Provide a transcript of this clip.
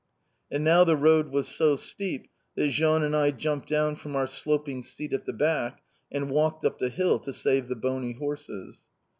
And now the road was so steep, that Jean and I jumped down from our sloping seat at the back and walked up the hill to save the bony horses.